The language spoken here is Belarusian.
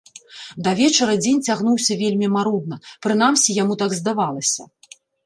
Да вечара дзень цягнуўся вельмі марудна, прынамсі, яму так здавалася.